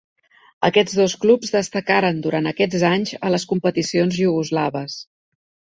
Aquests dos clubs destacaren durant aquests anys a les competicions iugoslaves.